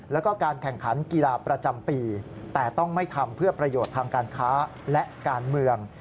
แล้วก็การแข่งขันกีฬาประจำปีแต่ต้องไม่ทำเพื่อประโยชน์ทางการค้าและการเมือง